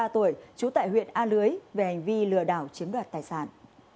ba mươi tuổi trú tại huyện a lưới về hành vi lừa đảo chiếm đoạt tài sản